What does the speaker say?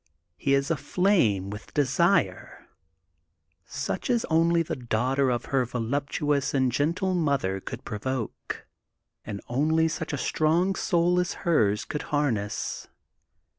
He is aflame with desire, such as only the daughter of her voluptuous and gentle mother could provoke, and only such a strong soul as hers could harness.